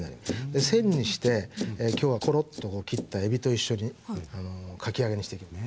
で線にしてきょうはコロッとこう切ったえびと一緒にかき揚げにしていきます。